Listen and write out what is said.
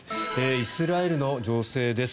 イスラエルの情勢です。